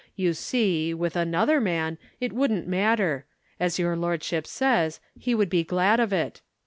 You see, with another man, it wouldn't matter; as your lordship says, he would be glad of it.